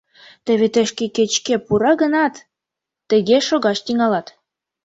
— Теве тыште, кеч-кӧ пура гынат, тыге шогаш тӱҥалат.